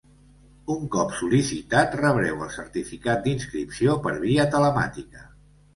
Un cop sol·licitat, rebreu el certificat d'inscripció per via telemàtica.